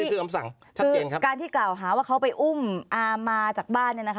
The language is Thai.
คำสั่งชัดเจนครับการที่กล่าวหาว่าเขาไปอุ้มอามมาจากบ้านเนี่ยนะคะ